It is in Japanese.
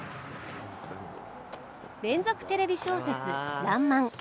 「連続テレビ小説らんまん」